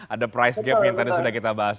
ada price gap yang tadi sudah kita bahas